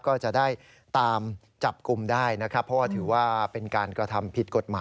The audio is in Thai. ก็จะได้ตามจับกลุ่มได้นะครับ